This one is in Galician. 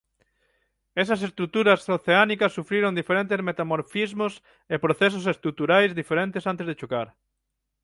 Esas estruturas oceánicas sufriron diferentes metamorfismos e procesos estruturais diferentes antes de chocar.